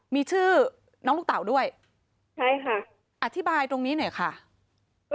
มีชื่อน้องลูกเต๋าด้วยอธิบายตรงนี้หน่อยค่ะใช่ค่ะ